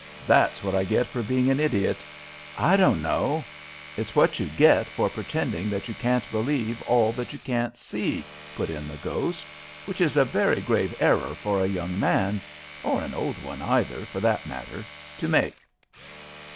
"That's what I get for being an idiot. I don't know " "It's what you get for pretending that you can't believe all that you can't see," put in the ghost, "which is a very grave error for a young man or an old one, either, for that matter to make."